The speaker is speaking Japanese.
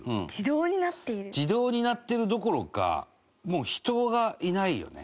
伊達：自動になってるどころかもう人がいないよね。